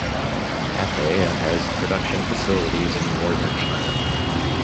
Hafei has production facilities in Northern China.